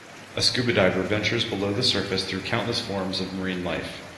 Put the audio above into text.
A scuba diver ventures below the surface through countless forms of marine life.